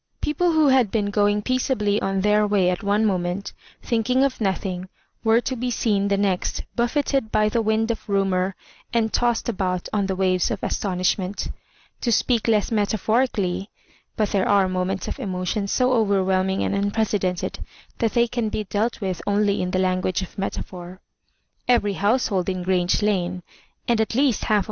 People who had been going peaceably on their way at one moment, thinking of nothing, were to be seen the next buffeted by the wind of Rumour and tossed about on the waves of As tonishment To speak less metaphorically (but there are moments of emotion so overwhelm ing and unprecedented that t]^ey can be dealt with only in the language of metaphor) every household in Grange Lane, and at least half of Digitized by VjOOQIC MISS MARJORIBANKS.